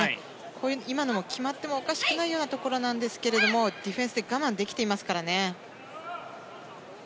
今のも決まってもおかしくないようなところなんですがディフェンスで我慢できていますからね。